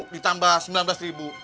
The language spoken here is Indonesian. ditambah sembilan belas ribu